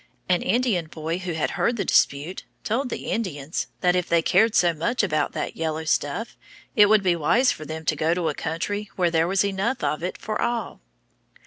An Indian boy who had heard the dispute told the Spaniards that if they cared so much about that yellow stuff, it would be wise for them to go to a country where there was enough of it for all.